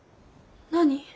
何？